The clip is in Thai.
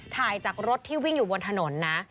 ถ่ายจากรถที่วิ่งอยู่บนถนนนะ